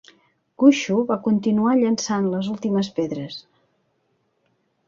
Gushue va continuar llançant les últimes pedres.